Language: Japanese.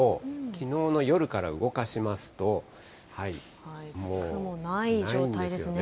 きのうの夜から動かしますと、もう雲ないんですよね。